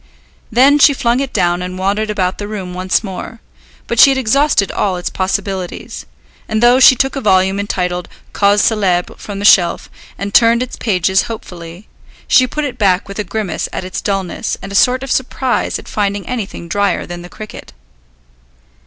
Then she flung it down and wandered about the room once more; but she had exhausted all its possibilities; and though she took a volume entitled Causes Célèbres from the shelf, and turned its pages hopefully, she put it back with a grimace at its dullness and a sort of surprise at finding anything drier than the cricket.